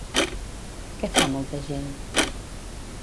Què fa molta gent?